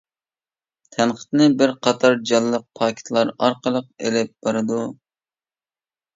تەنقىدنى بىر قاتار جانلىق پاكىتلار ئارقىلىق ئېلىپ بارىدۇ.